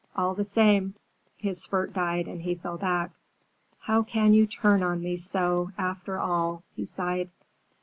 All the same—" his spurt died and he fell back. "How can you turn on me so, after all!" he sighed.